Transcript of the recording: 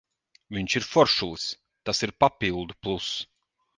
Viņš ir foršulis, tas ir papildu pluss.